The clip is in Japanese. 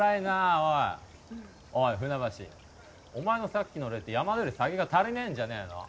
おい船橋お前のさっきの礼って山田より下げが足りねえんじゃねえの？